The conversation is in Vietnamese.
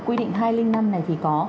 quy định hai nghìn năm này thì có